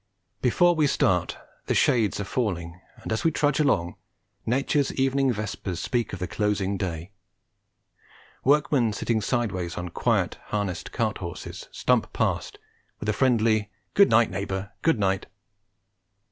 Before we start the shades are falling, and as we trudge along nature's evening vespers speak of the closing day. Workmen sitting sideways on quiet harnessed cart horses stump past with a friendly "Good night, neighbour, good night!"